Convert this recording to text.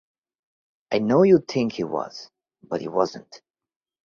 I know you think he was, but he wasn't.